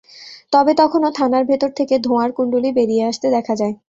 তবে তখনো থানার ভেতর থেকে ধোঁয়ার কুণ্ডলী বেরিয়ে আসতে দেখা যায়।